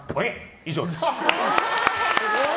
以上です。